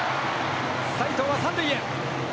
齋藤は３塁へ。